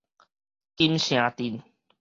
金城鎮